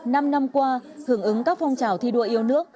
năm năm qua hưởng ứng các phong trào thi đua yêu nước